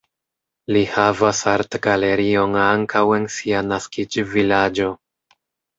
Li havas artgalerion ankaŭ en sia naskiĝvilaĝo.